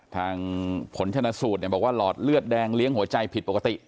ผลชนะสูตรบอกว่าหลอดเลือดแดงเลี้ยงหัวใจผิดปกติ